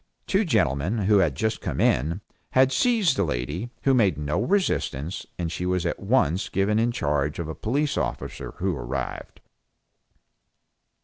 Two gentlemen, who had just come in, had seized the lady, who made no resistance, and she was at once given in charge of a police officer who arrived.